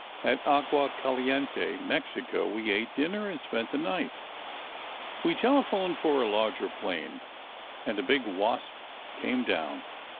At Agua Caliente, Mexico, we ate dinner and spent the night. "We telephoned for a larger plane, and a big Wasp came down.